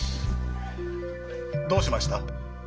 どうしました？